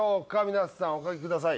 皆さんお書きください